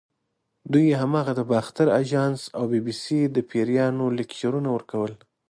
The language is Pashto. دوی هماغه د باختر اجان او بي بي سۍ د پیریانو لیکچرونه ورکول.